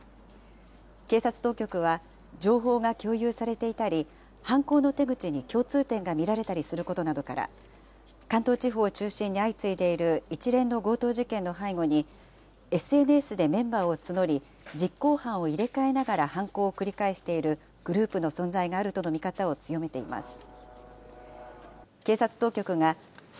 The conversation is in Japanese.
警察当局は、情報が共有されていたり、犯行の手口に共通点が見られたりすることなどから、関東地方を中心に相次いでいる一連の強盗事件の背後に、ＳＮＳでメンバーを募り、実行犯を入れ替えながら犯行を繰り返しているグループの存在があるとの見方を強めています。